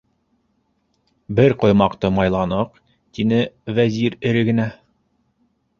- Бер ҡоймаҡты майланыҡ, - тине Вәзир эре генә.